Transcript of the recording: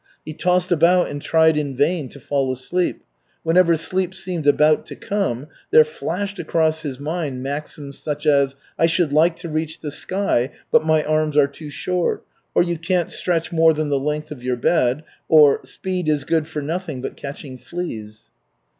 He tossed about and tried in vain to fall asleep. Whenever sleep seemed about to come, there flashed across his mind maxims such as "I should like to reach the sky but my arms are too short," or "You can't stretch more than the length of your bed," or "Speed is good for nothing but catching fleas."